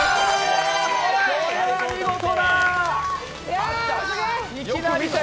これは見事だ！